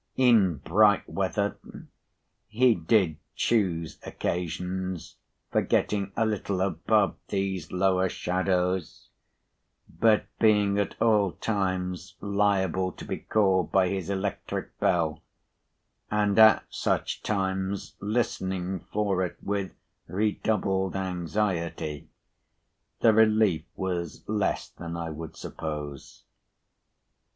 In bright weather, he did choose occasions for getting a little above these lower shadows; but, being at all times liable to be called by his electric bell, and at such times listening for it with redoubled anxiety, the relief was less than I would suppose.